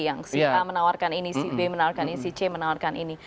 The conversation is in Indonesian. yang si a menawarkan ini si b menawarkan ini si c menawarkan ini